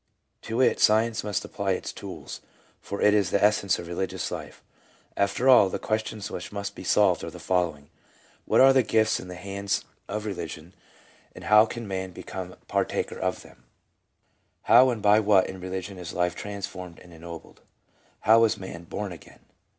To it science must apply its tools, for it is the essence of re ligious life. Aiter all, the questions which must be solved are the following: What are the gifts in the hands of Religion, and how can man become partaker of them f How and by what in religion is life transformed and ennobled ? How is man "born again"?